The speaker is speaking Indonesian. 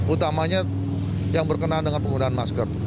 utamanya yang berkenaan dengan penggunaan masker